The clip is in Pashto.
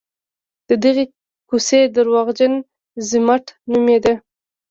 د دغې کوڅې درواغجن ضمټ نومېده.